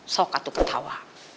soalnya aku ketawa